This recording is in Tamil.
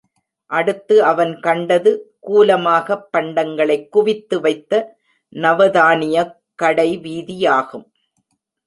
அடுத்து அவன் கண்டது கூலமாகப் பண்டங்களைக் குவித்துவைத்த நவதானியக் கடை வீதியாகும்.